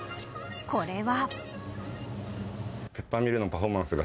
これは。